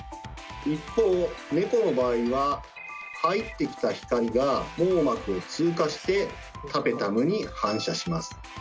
一方ネコの場合は入ってきた光が網膜を通過してタペタムに反射します。